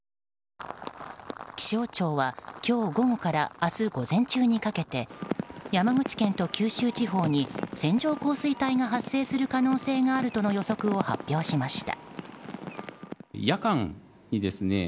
気象庁は今日午後から明日午前中にかけて山口県と九州地方に線状降水帯が発生する可能性があるとの予測を発表しました。